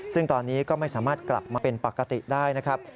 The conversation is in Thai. ซึ่งตอนนี้ก็ไม่สามารถกลับมาเป็นปกติได้นะครับ